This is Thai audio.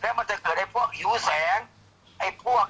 แม่ยังคงมั่นใจและก็มีความหวังในการทำงานของเจ้าหน้าที่ตำรวจค่ะ